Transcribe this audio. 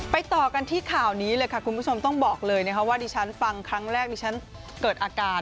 ต่อกันที่ข่าวนี้เลยค่ะคุณผู้ชมต้องบอกเลยนะคะว่าดิฉันฟังครั้งแรกดิฉันเกิดอาการ